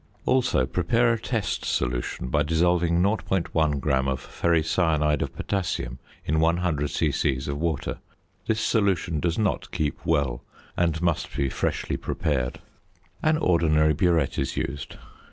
Also prepare a test solution by dissolving 0.1 gram of ferricyanide of potassium in 100 c.c. of water. This solution does not keep well and must be freshly prepared. An ordinary burette is used.